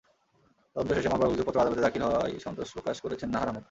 তদন্ত শেষে মামলার অভিযোগপত্র আদালতে দাখিল হওয়ায় সন্তোষ প্রকাশ করেছেন নাহার আহমেদ।